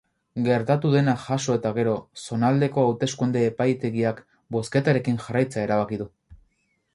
Gertatu dena jaso eta gero, zonaldeko hauteskunde epaitegiak bozketarekin jarraitzea erabaki du.